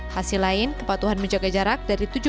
hasil lain kepatuhan menjaga jarak dari